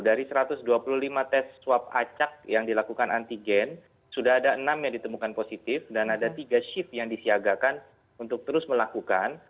dari satu ratus dua puluh lima tes swab acak yang dilakukan antigen sudah ada enam yang ditemukan positif dan ada tiga shift yang disiagakan untuk terus melakukan